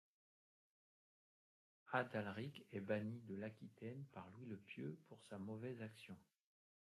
Adalric est banni de l'Aquitaine par Louis le Pieux pour sa mauvaise action.